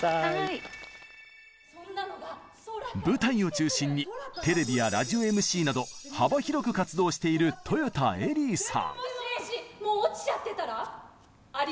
舞台を中心にテレビやラジオＭＣなど幅広く活動している豊田エリーさん。